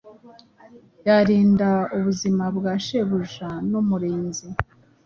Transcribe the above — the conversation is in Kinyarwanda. Yarinda ubuzima bwa shebuja numurinzi